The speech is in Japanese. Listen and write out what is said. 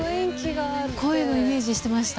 こういうのイメージしてました。